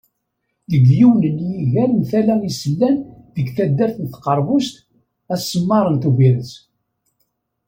Deg yiwen n yiger n Tala Isellan deg taddart n Tqerbust asammar n Tubiret.